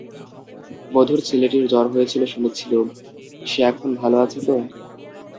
মধুর ছেলেটির জ্বর হয়েছিল শুনেছিলুম, সে এখন ভালো আছে তো?